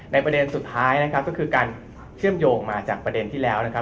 ประเด็นสุดท้ายนะครับก็คือการเชื่อมโยงมาจากประเด็นที่แล้วนะครับ